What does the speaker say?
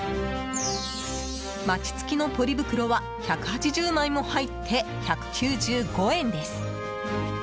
マチ付きのポリ袋は１８０枚も入って１９５円です。